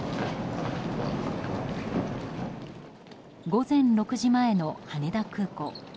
午前６時前の羽田空港。